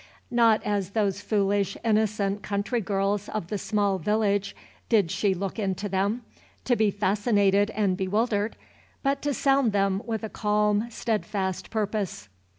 Not as those foolish, innocent country girls of the small village did she look into them, to be fascinated and bewildered, but to sound them with a calm, steadfast purpose.